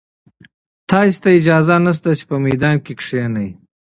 تاسي ته اجازه نشته چې په میدان کې کښېنئ.